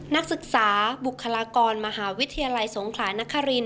นักศึกษาบุคลากรมหาวิทยาลัยสงขลานคริน